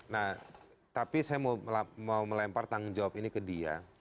nah tapi saya mau melempar tanggung jawab ini ke dia